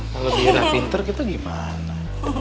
kalau bira pinter kita gimana